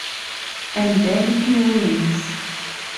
And then he wins.